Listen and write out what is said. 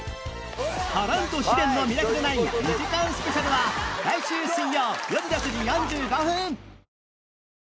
波乱と試練の『ミラクル９』２時間スペシャルは来週水曜よる６時４５分！